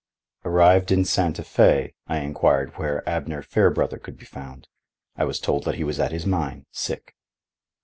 Arrived in Santa Fe, I inquired where Abner Fairbrother could be found. I was told that he was at his mine, sick.